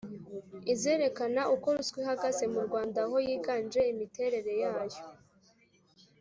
izerekana uko ruswa ihagaze mu Rwanda aho yiganje imiterere yayo